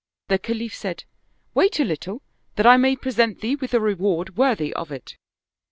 The Khalif said :' Wait a little, that I may present thee with a reward worthy of it.'